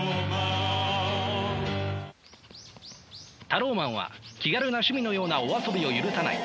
タローマンは気軽な趣味のようなお遊びを許さない。